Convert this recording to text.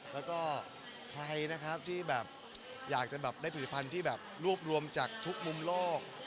แล้วก็ใครนะครับที่แบบอยากจะแบบได้ผลิตภัณฑ์ที่แบบรวบรวมจากทุกมุมโลก